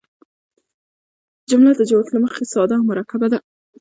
جمله د جوړښت له مخه ساده او مرکبه ده.